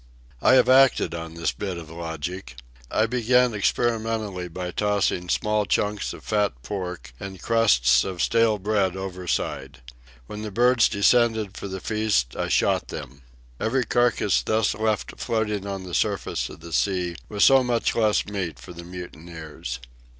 I have acted on this bit of logic. I began experimentally by tossing small chunks of fat pork and crusts of stale bread overside. When the birds descended for the feast I shot them. Every carcass thus left floating on the surface of the sea was so much less meat for the mutineers.